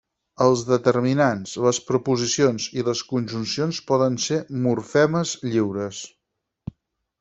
Els determinants, les preposicions i les conjuncions poden ser morfemes lliures.